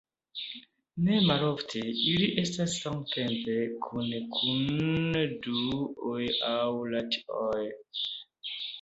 Ne malofte ili estas samtempe kune kun Dun-oj aŭ Rath-oj.